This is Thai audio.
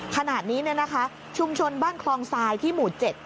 ขณะนี้ชุมชนบ้านคลองทรายที่หมู่๗